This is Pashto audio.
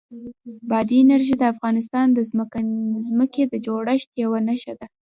بادي انرژي د افغانستان د ځمکې د جوړښت یوه نښه ده.